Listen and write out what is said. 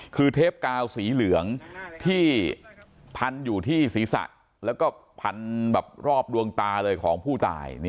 คือเทปกาวสีเหลืองที่พันอยู่ที่ศีรษะแล้วก็พันแบบรอบดวงตาเลยของผู้ตาย